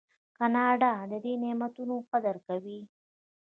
کاناډایان د دې نعمتونو قدر کوي.